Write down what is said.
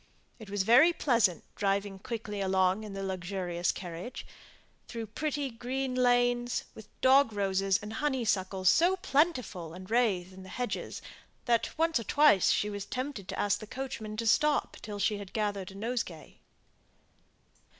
It was very pleasant driving quickly along in the luxurious carriage, through the pretty green lanes, with dog roses and honeysuckles so plentiful and rathe in the hedges, that she once or twice was tempted to ask the coachman to stop till she had gathered a nosegay.